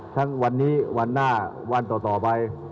ทั้งวันนี้วันหน้าวันต่อไป